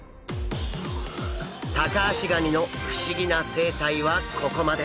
タカアシガニの不思議な生態はここまで。